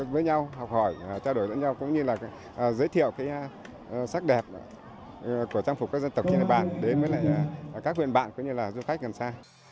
với nhau học hỏi trao đổi với nhau cũng như là giới thiệu cái sắc đẹp của trang phục các dân tộc trên địa bàn đến với các huyện bạn cũng như là du khách gần xa